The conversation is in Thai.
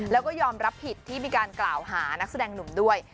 แล้วก็ยอมรับผิดที่มีการกล่าวหานักแสดงหนุ่มด้วย